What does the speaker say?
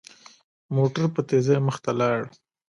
موټر په تېزۍ مخ ته لاړ.